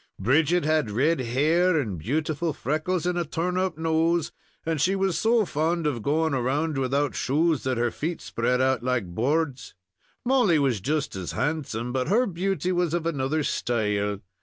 "Bridget had red hair and beautiful freckles and a turn up nose, and she was so fond of going round without shoes that her feet spread out like boards; Molly was just as handsome, but her beauty was of another style.